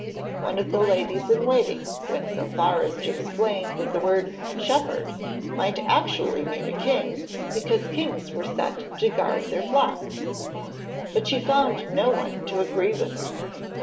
One of the ladies in waiting went so far as to explain that the word 'shepherd' might actually mean a king, because kings were set to guard their flocks; but she found no one to agree with her.